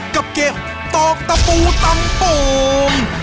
กับเกมตอกตะปูตำโป่ง